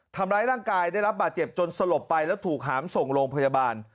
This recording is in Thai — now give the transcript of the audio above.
ทำร้ายร่างกายได้รับบาดเจ็บจนสลบไปแล้วถูกหามส่งโรงพยาบาล